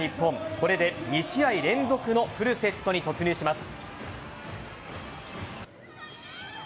これで２試合連続のフルセットに突入します。